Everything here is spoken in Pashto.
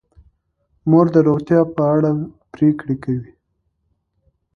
مور د روغتیا په اړه پریکړې کوي.